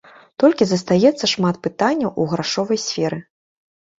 Толькі застаецца шмат пытанняў у грашовай сферы.